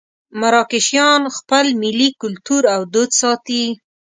مراکشیان خپل ملي کولتور او دود ساتي.